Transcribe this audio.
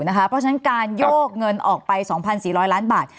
เพราะฉะนั้นการโยกเงินออกไป๒๔๐๐ล้านบาท